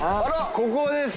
ここです。